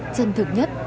chân thực nhất